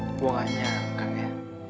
aku gak nyangka ya